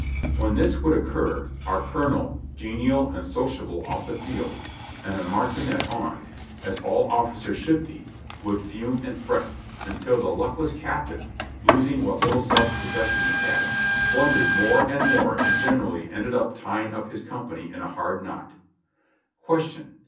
When this would occur, our colonel, genial and sociable off the field, and a martinet on, as all officers should be, would fume and fret, until the luckless cap tain, losing what little self possession he had, blundered more and more and generally ended by tying up his company in a hard knot. Question.